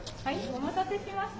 お待たせしました。